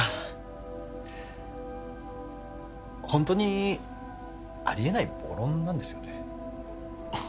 ホントにありえない暴論なんですよね？